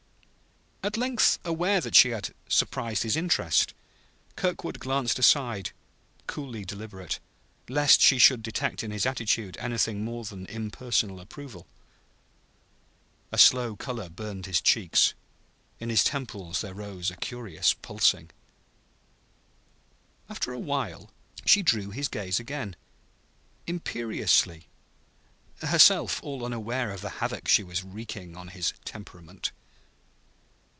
At length aware that she had surprised his interest, Kirkwood glanced aside coolly deliberate, lest she should detect in his attitude anything more than impersonal approval. A slow color burned his cheeks. In his temples there rose a curious pulsing. After a while she drew his gaze again, imperiously herself all unaware of the havoc she was wreaking on his temperament.